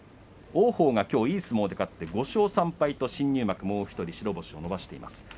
王鵬がいい相撲で勝って５勝３敗と新入幕、もう１人白星を伸ばしています。